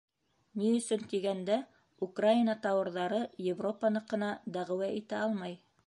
Ни өсөн тигәндә, Украина тауарҙары Европаныҡына дәғүә итә алмай.